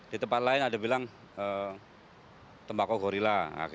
di tempat lain ada bilang tembakau gorilla